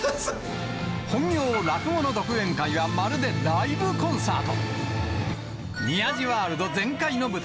本業、落語の独演会はまるでライブコンサート。